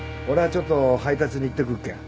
ちょっと配達に行ってくっけん。